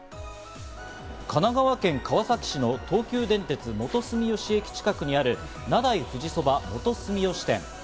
神奈川県川崎市の東急電鉄・元住吉駅近くにある、名代富士そば・元住吉店。